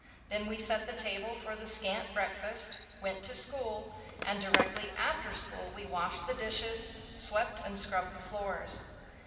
Then we set the table for the scant breakfast, went to school, and directly after school we washed the dishes, swept and scrubbed the floors.